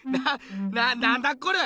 ななんだこれ？